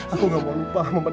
aku gak mau lupa